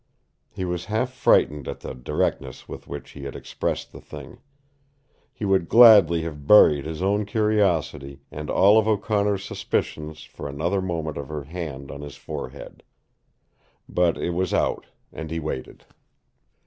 He was half frightened at the directness with which he had expressed the thing. He would gladly have buried his own curiosity and all of O'Connor's suspicions for another moment of her hand on his forehead. But it was out, and he waited.